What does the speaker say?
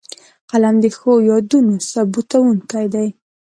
قلم د ښو یادونو ثبتوونکی دی